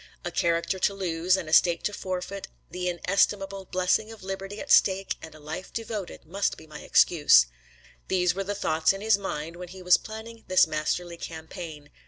A character to lose, an estate to forfeit, the inestimable blessing of liberty at stake, and a life devoted, must be my excuse." These were the thoughts in his mind when he was planning this masterly campaign.